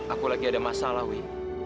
aku lagi ada masalah wi